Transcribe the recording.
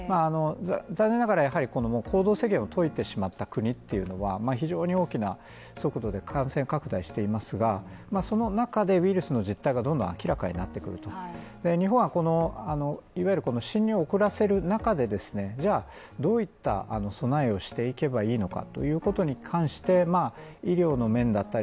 残念ながらやはり行動制限を解いてしまった国っていうのは非常に大きな速度で感染拡大していますがその中でウイルスの実態がどんどん明らかになってくると日本は遅らせる中でですね、どういった備えをしていけばいいのかということに関して医療の面だったり